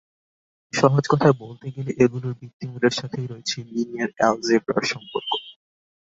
সহজ কথায় বলতে গেলে এগুলোর ভিত্তিমূলের সাথেই রয়েছে লিনিয়ার অ্যালজেব্রার সম্পর্ক।